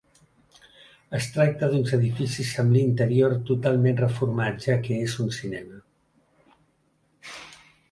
Es tracta d'uns edificis amb l'interior totalment reformat, ja que és un cinema.